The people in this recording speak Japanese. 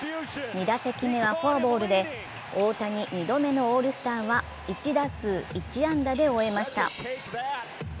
２打席目はフォアボールで、大谷、２度目のオールスターは１打数１安打で終えました。